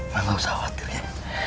saya tak usah khawatir ya